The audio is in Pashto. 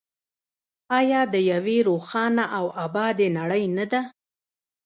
آیا د یوې روښانه او ابادې نړۍ نه ده؟